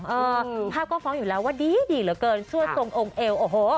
ภาพก็ฟ้องอยู่แล้วว่าดีดีเหลือเกินชั่วทรงองค์เอวโอ้โห